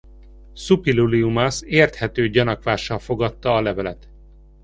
Szuppiluliumasz érthető gyanakvással fogadta a levelet.